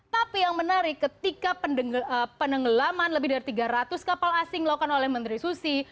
tapi yang menarik ketika penenggelaman lebih dari tiga ratus kapal asing dilakukan oleh menteri susi